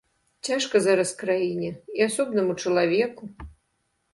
Цяжка зараз краіне і асобнаму чалавеку.